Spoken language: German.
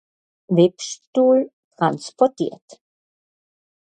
Webstuhl transportiert.